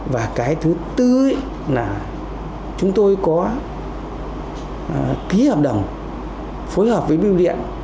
và cái thứ tư là chúng tôi có ký hợp đồng phối hợp với biêu điện